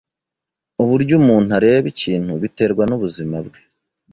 Uburyo umuntu areba ikintu biterwa nubuzima bwe.